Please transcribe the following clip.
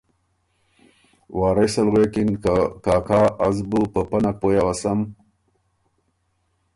وارث ال غوېکِن که ”کاکا از بُو په پۀ نک پوی اؤسم